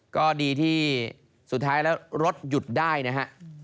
ก็ดีที่สุดท้ายแล้วรถหยุดได้นะฮะ